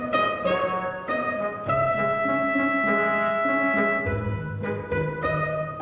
kira kira di mana sih